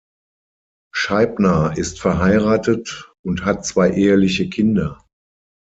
Scheibner ist verheiratet und hat zwei eheliche Kinder.